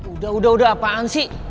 udah udah apaan sih